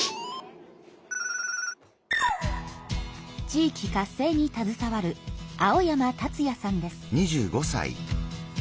地域活性にたずさわる青山達哉さんです。